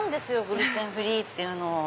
グルテンフリーっていうの。